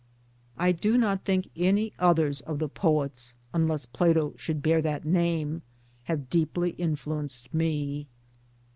I do not think any others of the poets unless Plato should bear that name have deeply influenced me.